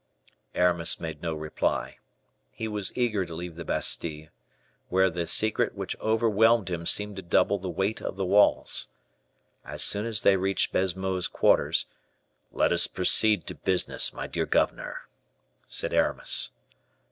Aramis made no reply. He was eager to leave the Bastile, where the secret which overwhelmed him seemed to double the weight of the walls. As soon as they reached Baisemeaux's quarters, "Let us proceed to business, my dear governor," said Aramis.